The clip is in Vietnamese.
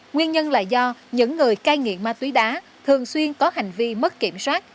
nguyên nhân là do những người cai nghiện ma túy đá thường xuyên có hành vi mất kiểm soát